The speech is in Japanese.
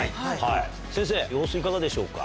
先生様子いかがでしょうか？